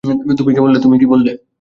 তুমি কী বললে?